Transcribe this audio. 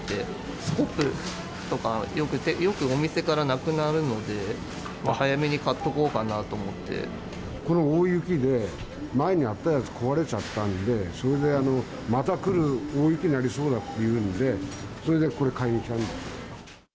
スコップとか、よくお店からなくなるので、この大雪で、前にあったやつ壊れちゃったんで、それで、また来る、大雪になりそうだって言うんで、それでこれ買いに来たんです。